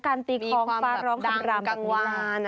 การตีคล้องฟ้าร้องคำล่ำ